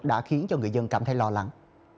đã khiến cho người dân cảm thấy lo lắng